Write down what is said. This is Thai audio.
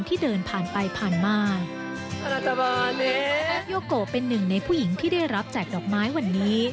เฮียโกเป็นหนึ่งในผู้หญิงที่ได้รับแจกดอกไมค์วันนี้